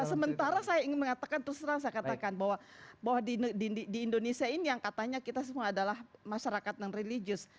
sementara saya ingin mengatakan terus terang saya katakan bahwa di indonesia ini yang katanya kita semua adalah masyarakat yang religius